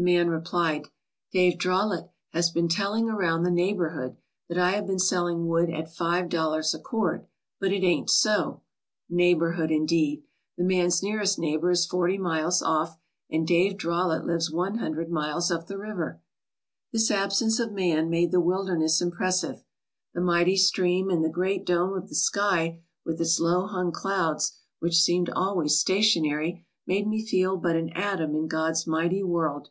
The man replied: "Dave Drollette has been telling around the neighbourhood that I have been selling wood at five dollars a cord, but it ain't so. " "Neighbourhood," indeed! The man's nearest neigh bour is forty miles off and Dave Drollette lives one hundred miles up the river. This absence of man made the wilderness impressive. The mighty stream and the great dome of the sky with its low hung clouds, which seemed always stationary, made me feel but an atom in God's mighty world.